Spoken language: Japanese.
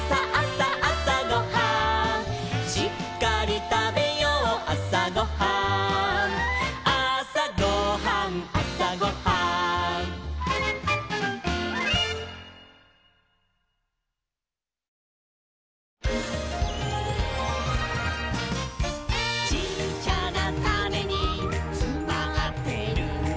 「しっかりたべようあさごはん」「あさごはんあさごはん」「ちっちゃなタネにつまってるんだ」